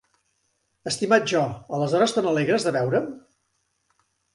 Estimat Jo, aleshores te n'alegres de veure'm?